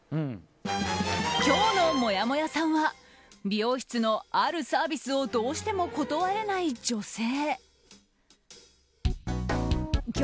今日のもやもやさんは美容室のあるサービスをどうしても断れない女性。